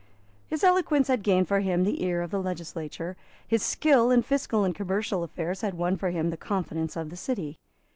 His eloquence had gained for him the ear of the legislature. His skill in fiscal and commercial affairs had won for him the confidence of the City.